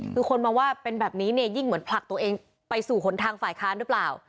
คือคนมองว่าเป็นแบบนี้เนี่ยยิ่งเหมือนผลักตัวเองไปสู่หนทางฝ่ายค้านหรือเปล่า